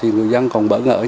người dân vẫn thay đổi